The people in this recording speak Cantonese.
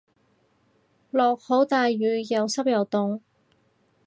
落好大雨又濕又凍